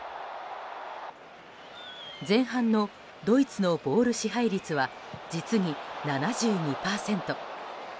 前半のドイツのボール支配率は実に７２％。